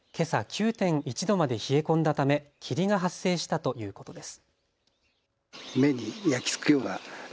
９．１度まで冷え込んだため霧が発生したということです。